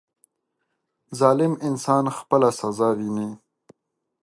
• ظالم انسان خپله سزا ویني.